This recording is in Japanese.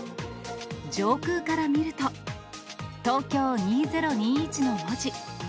上空から見ると、ＴＯＫＹＯ２０２１の文字。